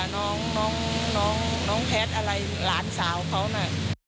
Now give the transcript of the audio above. น้องแพทอะไรหลานสาวเขานะ